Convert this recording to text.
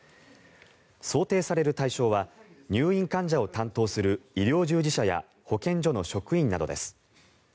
想定される対象は入院患者を担当する医療従事者や保健所の職員などです。